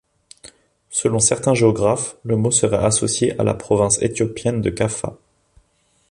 Selon certains géographes, le mot serait associé à la province éthiopienne de Kaffa.